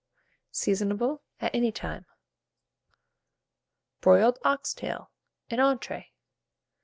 Seasonable at any time. BROILED OX TAIL (an Entree).